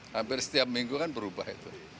hampir setiap minggu kan berubah itu